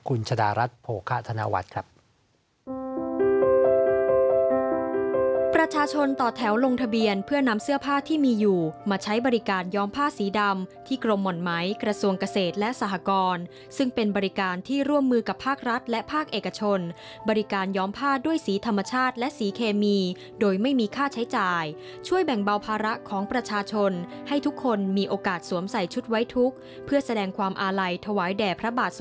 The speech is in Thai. คุณชะดารัฐโพฆะธนวัตรครับ